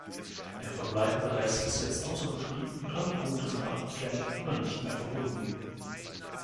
Der verbleibende Rest ist jetzt außer Betrieb und alle Punkte sind abgeklemmt oder nicht mehr verbunden.